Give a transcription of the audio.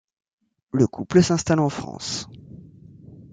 Le couple s'installe en France.